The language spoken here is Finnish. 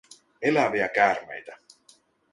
Eläviä käärmeitä.